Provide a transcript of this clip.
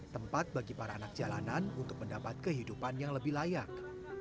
tempat bagi para anak jalanan untuk mendapat kehidupan yang lebih layak